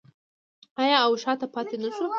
آیا او شاته پاتې نشو؟